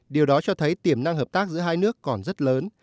điều đó cho thấy tiềm năng hợp tác giữa hai nước còn rất lớn